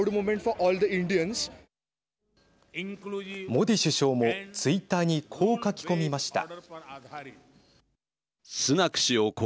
モディ首相もツイッターにこう書き込みました。